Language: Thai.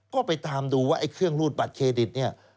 ก็ไปตามดูว่าไอ้เครื่องรูดบัตรเครดิตเนี่ย